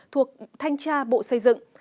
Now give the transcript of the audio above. thuộc thanh tra bộ xây dựng